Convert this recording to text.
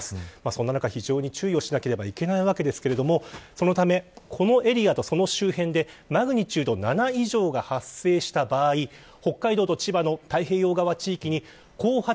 そんな中、非常に注意をしなければいけないわけですがそのためこのエリアとその周辺でマグニチュード７以上が発生した場合北海道と千葉の太平洋側の地域に後発